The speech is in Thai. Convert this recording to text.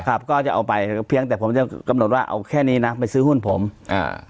ครับก็จะเอาไปเพียงแต่ผมจะกำหนดว่าเอาแค่นี้นะไปซื้อหุ้นผมอ่า